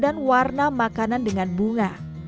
dia menggunakan warna makanan dengan bunga